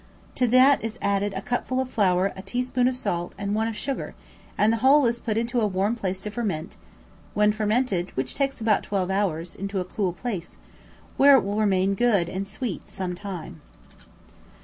To that is added a cupful of flour a teaspoonful of salt, and one of sugar, and the whole is put into a warm place to ferment; when fermented, which takes about twelve hours, into a cool place, where it will remain good and sweet some time.